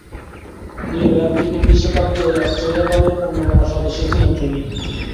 দুইবার ক্রিকেট বিশ্বকাপ জয়ী অস্ট্রেলিয়া দলের অন্যতম সদস্য ছিলেন তিনি।